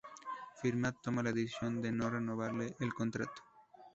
Firmat toma la decisión de no renovarle el contrato.